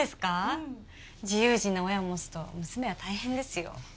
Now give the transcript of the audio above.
うん自由人の親を持つと娘は大変ですよ